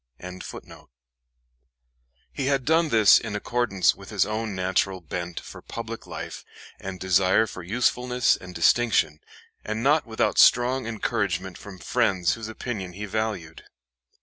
] He had done this in accordance with his own natural bent for public life and desire for usefulness and distinction, and not without strong encouragement from friends whose opinion he valued.